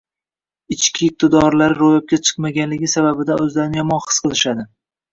ichki iqtidorlari ro‘yobga chiqmagani sababidan o‘zlarini yomon his qilishadi.